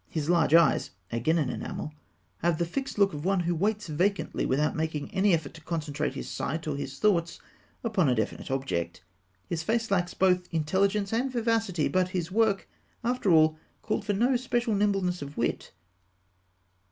His large eyes (again in enamel) have the fixed look of one who waits vacantly, without making any effort to concentrate his sight or his thoughts upon a definite object. The face lacks both intelligence and vivacity; but his work, after all, called for no special nimbleness of wit.